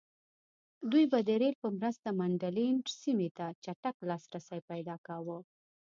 دوی به د رېل په مرسته منډلینډ سیمې ته چټک لاسرسی پیدا کاوه.